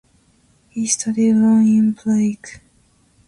He studied law in Prague.